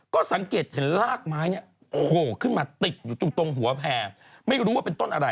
ก็สังเกตเห็นรากไม้เนี่ยโผล่ขึ้นมาติดอยู่ตรงหัวแพร่ไม่รู้ว่าเป็นต้นอะไร